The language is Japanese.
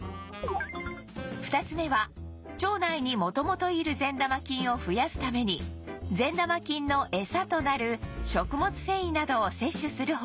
２つ目は腸内に元々いる善玉菌を増やすために善玉菌のエサとなる食物繊維などを摂取する方法